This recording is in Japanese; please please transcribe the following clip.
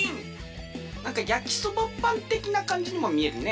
なんかやきそばパンてきなかんじにもみえるね。